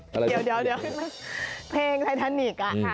เดี๋ยวเพลงไททานิก